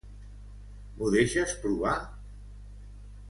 M'ho deixes provar?